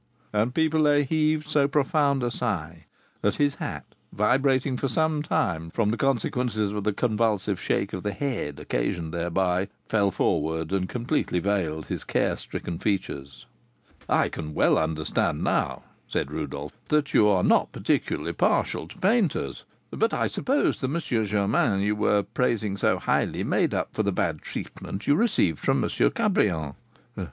And Pipelet heaved so profound a sigh that his hat, vibrating for some time from the consequences of the convulsive shake of the head occasioned thereby, fell forward and completely veiled his care stricken features. "I can well understand, now," said Rodolph, "that you are not particularly partial to painters; but I suppose the M. Germain you were praising so highly made up for the bad treatment you received from M. Cabrion?"